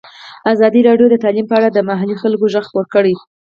ازادي راډیو د تعلیم په اړه د محلي خلکو غږ خپور کړی.